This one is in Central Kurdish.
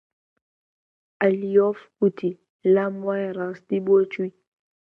عەلییۆف گوتی: لام وایە ڕاستی بۆ چووی!